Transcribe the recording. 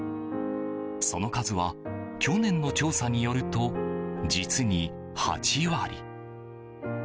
その数は去年の調査によると実に８割。